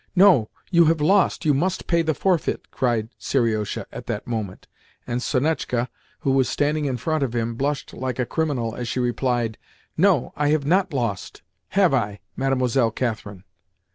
"No, you have lost! You must pay the forfeit!" cried Seriosha at that moment, and Sonetchka, who was standing in front of him, blushed like a criminal as she replied, "No, I have not lost! Have I, Mademoiselle Katherine?"